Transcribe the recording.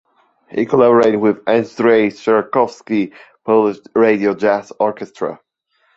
He collaborated with Andrzej Trzaskowski’s Polish Radio Jazz Orchestra.